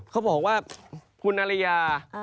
เขาบอกว่าคุณอริยา